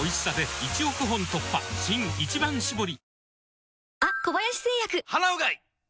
新「一番搾り」